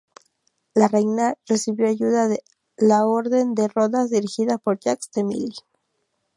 La reina recibió ayuda de la Orden de Rodas dirigida por Jacques de Milly.